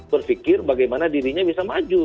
berpikir bagaimana dirinya bisa maju